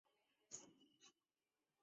皮斯河被认为是马更些河水系的正源。